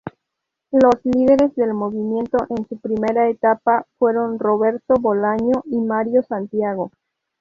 Los líderes del movimiento en su primera etapa fueron Roberto Bolaño y Mario Santiago.